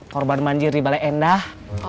korban banjir di balai endah